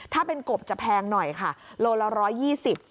ถ้าเป็นกบจะแพงหน่อยโลละร้อย๒๐บาท